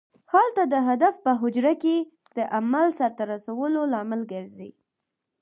هلته د هدف په حجره کې د عمل سرته رسولو لامل ګرځي.